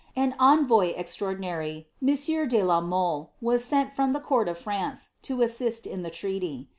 An envoy extraordinary, monsieur de la Mole, was sent I the court of France, to assist in the treaty.